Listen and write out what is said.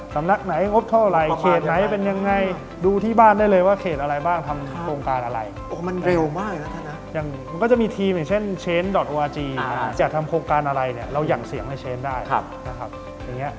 ทำโครงการอะไรเราอย่างเสียงให้เช้นได้